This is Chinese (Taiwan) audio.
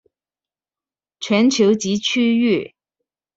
全球及區域